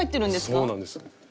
そうなんです。